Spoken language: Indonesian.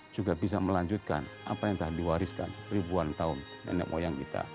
juga bisa melanjutkan apa yang telah diwariskan ribuan tahun nenek moyang kita